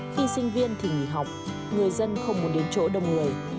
khi sinh viên thì nghỉ học người dân không muốn đến chỗ đông người